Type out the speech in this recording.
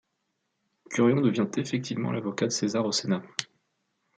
Curion devient effectivement l'avocat de César au Sénat.